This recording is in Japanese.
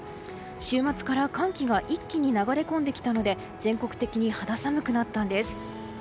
週末から寒気が一気に流れ込んできたので全国的に肌寒くなったんです。